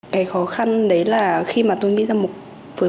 cái khó khăn đấy là khi mà tôi nghĩ rằng với một người